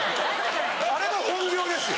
あれも本業ですよ